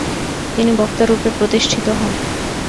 তিনি বক্তারূপে প্রতিষ্ঠিত হন।